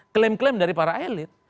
klaim klaim dari para elit